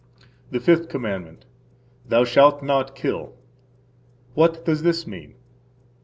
The Fifth Commandment. Thou shalt not kill. What does this mean?